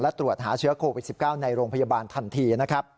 และตรวจหาเชื้อโควิด๑๙ในโรงพยาบาลทันทีนะครับ